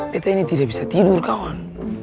kita ini tidak bisa tidur kawan